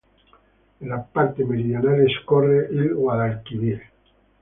Nella parte meridionale scorre il Guadalquivir.